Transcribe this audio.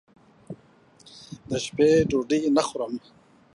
دشپې ډوډۍ نه خورم